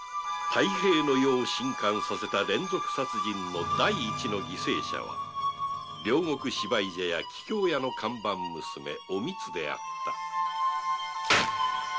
太平の世を震撼させた連続殺人の第一の犠牲者は両国芝居茶屋桔梗屋の看板娘お美津であった